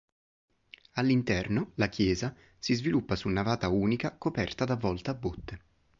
All'interno, la chiesa si sviluppa su navata unica coperta da volta a botte.